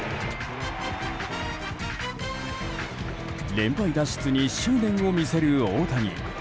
連敗脱出に執念を見せる大谷。